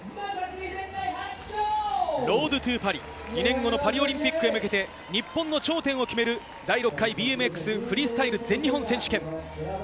ロードトゥ・パリ、２年後のパリオリンピックへ向けて日本の頂点を決める、第６回ＢＭＸフリースタイル全日本選手権。